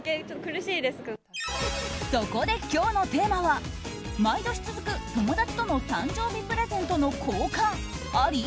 そこで今日のテーマは毎年続く友達との誕生日プレゼントの交換あり？